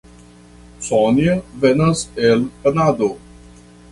Sonja venas el Kanado.